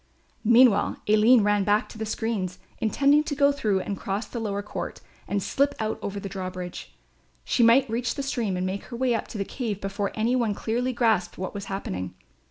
Meanwhile Aline ran back to the screens, intending to go through and cross the lower court and slip out over the drawbridge. She might reach the stream and make her way up to the cave before any one clearly grasped what was happening.